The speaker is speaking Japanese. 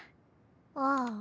ああ。